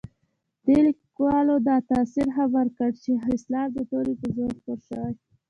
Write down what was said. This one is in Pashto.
دې لیکوالو دا تاثر هم ورکړ چې اسلام د تورې په زور خپور شوی.